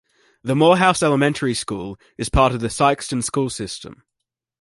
The Morehouse Elementary School is part of the Sikeston school system.